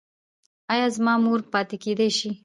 ایا زما مور پاتې کیدی شي؟